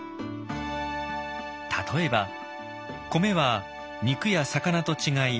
例えば米は肉や魚と違い